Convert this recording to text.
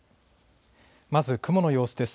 まず雲の様子です。